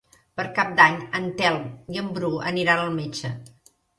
Per Cap d'Any en Telm i en Bru aniran al metge.